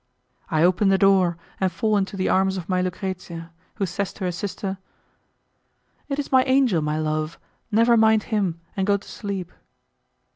I open the door and fall into the arms of my Lucrezia, who says to her sister, "It is my angel, my love; never mind him, and go to sleep."